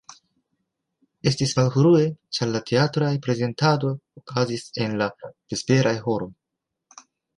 Estis malfrue, ĉar la teatra prezentado okazis en la vesperaj horoj.